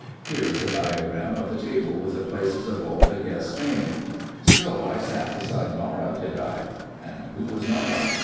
Here is a diagram of the table with the places of all the guests named. (So I sat beside Nora, did I? And who was Nora?